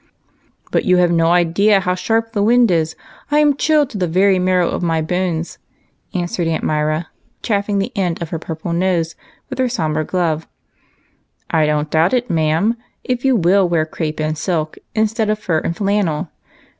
" But you have no idea how sharp the wind is. I am chilled to the very marrow of my bones," answered Aunt Myra, chafing the end of her purple nose with her sombre glove. " I don't doubt it, ma'am, if you will wear crape and silk instead of fur and flannel.